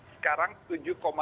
sekarang tujuh lima juta